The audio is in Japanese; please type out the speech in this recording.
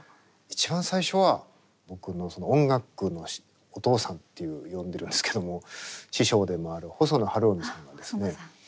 一番最初は僕の音楽のお父さんって呼んでるんすけども師匠でもある細野晴臣さんがですね